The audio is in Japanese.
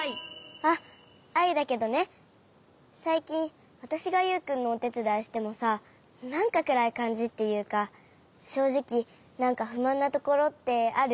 あっアイだけどねさいきんわたしがユウくんのおてつだいしてもさなんかくらいかんじっていうかしょうじきなんかふまんなところってある？